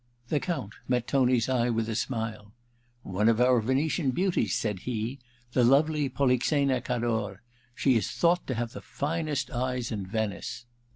The Count met Tony's eye with a smile. * One of our Venetian beauties,' said he ;* the lovely Polixena Cador. She is thought to have the finest eyes in Venice.'